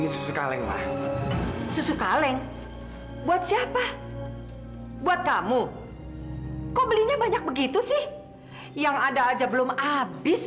susu kaleng lah susu kaleng buat siapa buat kamu kok belinya banyak begitu sih yang ada aja belum habis